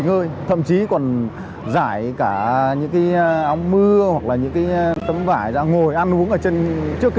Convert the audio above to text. ngơi thậm chí còn rải cả những cái ông mưa hoặc là những cái tấm vải ra ngồi ăn uống ở trên trước cái